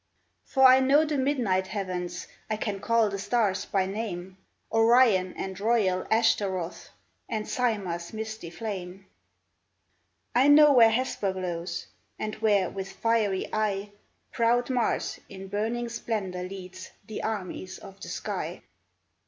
For I know the midnight heavens ; I can call the stars by name — Orion and royal Ashtaroth And Cimah's misty flame. " I know where Hesper glows, And where, with fiery eye, Proud Mars in burning splendor leads The armies of the sky.